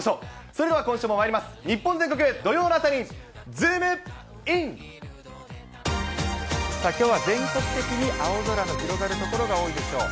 それでは今週もまいりましょう、きょうは全国的に青空が広がる所が多いでしょう。